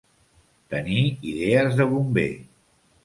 Tenir idees de bomber.